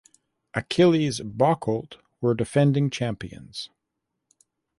Achilles Bocholt were defending champions.